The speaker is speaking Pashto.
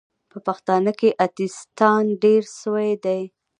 په پښتانو کې اتیستان ډیر سوې دي